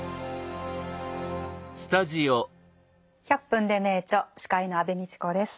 「１００分ｄｅ名著」司会の安部みちこです。